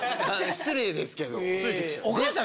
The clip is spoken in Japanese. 失礼ですけど。